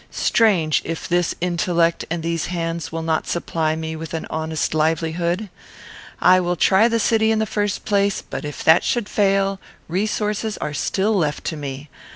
Strange if this intellect and these hands will not supply me with an honest livelihood. I will try the city in the first place; but, if that should fail, resources are still left to me.